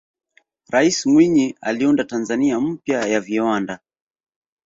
raisi mwinyi aliunda tanzania mpya ya viwanda